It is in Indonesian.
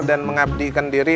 dan mengabdikan diri